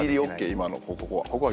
今のここは。